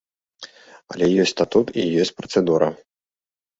Але ёсць статут і ёсць працэдура.